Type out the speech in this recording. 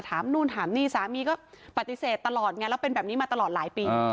นู่นถามนี่สามีก็ปฏิเสธตลอดไงแล้วเป็นแบบนี้มาตลอดหลายปี